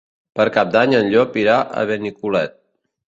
Per Cap d'Any en Llop irà a Benicolet.